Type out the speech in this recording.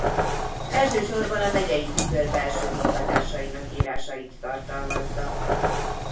Elsősorban a Megyei Tükör belső munkatársainak írásait tartalmazza.